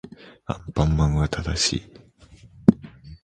アンパンマンは正しい